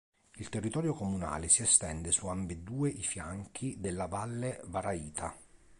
Il territorio comunale si estende su ambedue i fianchi della Valle Varaita.